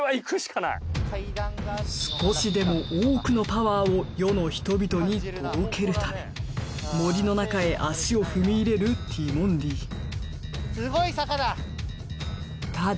少しでも多くのパワーを世の人々に届けるため森の中へ足を踏み入れるティモンディすごい坂だ！